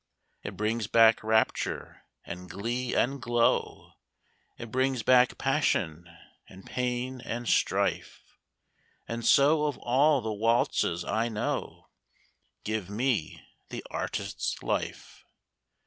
It brings back rapture and glee and glow, It brings back passion and pain and strife, And so of all the waltzes I know, Give me the "Artist's Life."